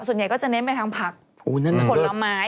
ส่วนใหญ่ก็จะเน้นไปทางผักผลไม้